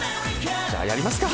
じゃあやりますか！